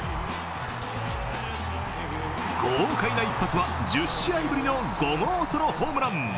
豪快な１発は、１０試合ぶりの５号ソロホームラン。